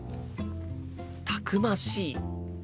たくましい。